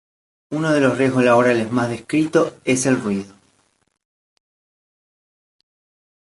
Uno de los riesgos laborales más descrito es el ruido.